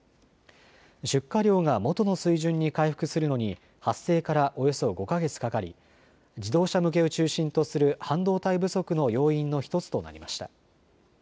出荷量が元の水準に回復するのに発生からおよそ５か月かかり自動車向けを中心とする半導体不足の要因の１つとなりました。